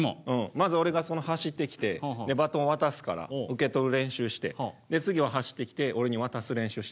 まずは俺が走ってきてバトンを渡すから受け取る練習して次は走ってきて俺に渡す練習したらいいやん。